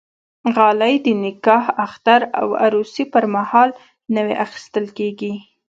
غالۍ د نکاح، اختر او عروسي پرمهال نوی اخیستل کېږي.